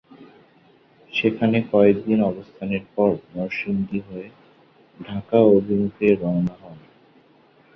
সেখানে কয়েক দিন অবস্থানের পর নরসিংদী হয়ে ঢাকা অভিমুখে রওনা হন।